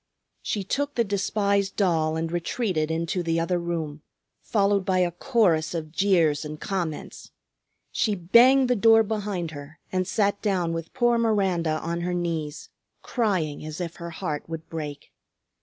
She took the despised doll and retreated into the other room, followed by a chorus of jeers and comments. She banged the door behind her and sat down with poor Miranda on her knees, crying as if her heart would break.